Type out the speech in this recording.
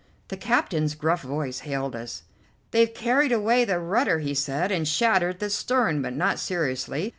The captain's gruff voice hailed us. "They've carried away the rudder," he said, "and shattered the stern, but not seriously.